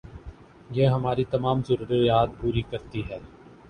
یہ ہماری تمام ضروریات پوری کرتی ہے